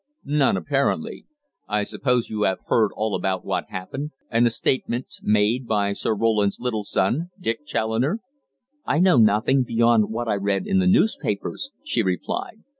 "None, apparently. I suppose you have heard all about what happened, and the statements made by Sir Roland's little son, Dick Challoner." "I know nothing beyond what I read in the newspapers," she replied.